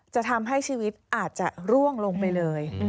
จะทำให้ชีวิตอาจจะร่วงลงไปเลย